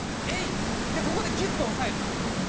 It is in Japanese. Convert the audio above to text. ここでぎゅっと押さえる。